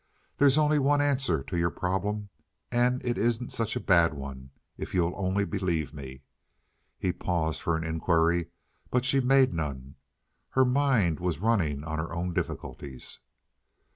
There's only one answer to your problem, and it isn't such a bad one, if you'll only believe me." He paused for an inquiry, but she made none. Her mind was running on her own difficulties.